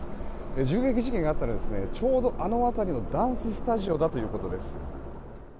銃撃事件があったのはちょうどあの辺りのダンススタジオということです。